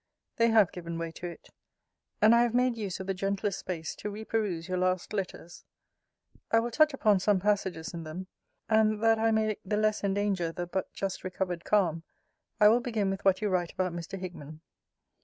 They have given way to it; and I have made use of the gentler space to re peruse your last letters. I will touch upon some passages in them. And that I may the less endanger the but just recovered calm, I will begin with what you write about Mr. Hickman.